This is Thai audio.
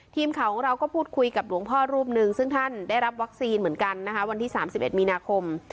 ทีมข่าวของเราก็พูดคุยกับหลวงพ่อรูปหนึ่งซึ่งท่านได้รับวัคซีนเหมือนกันนะคะวันที่๓๑มีนาคม